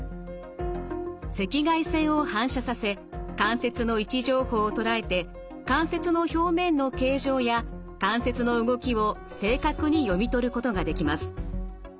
赤外線を反射させ関節の位置情報を捉えて関節の表面の形状や関節の動きを正確に読み取ることができます。